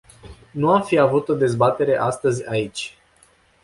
Nu am fi avut o dezbatere astăzi aici.